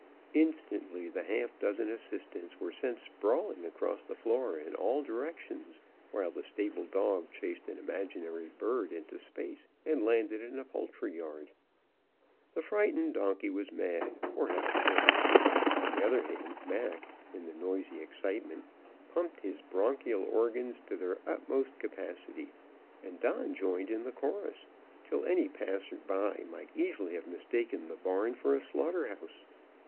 Instantly the half dozen assistants were sent sprawling across the floor in all directions, while the stable dog chased an imaginary bird into space and landed in a poultry yard. The frightened donkey was mad, or had a fit. On the other hand, Mac, in the noisy excitement, pumped his bronchial organs to their utmost capacity, and Don joined in the chorus, till any passer by might easily have mistaken the barn for a slaughter house.